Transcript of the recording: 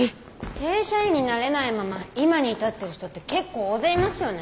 正社員になれないまま今に至ってる人って結構大勢いますよね。